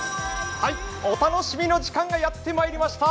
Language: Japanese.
お楽しみの時間がやってまいりました。